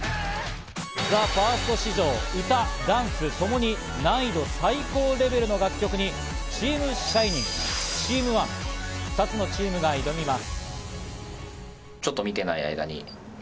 ＴＨＥＦＩＲＳＴ史上、歌・ダンスともに難易度最高レベルの楽曲にチームＳｈｉｎｉｎｇ、チームＯｎｅ、２つのチームが挑みます。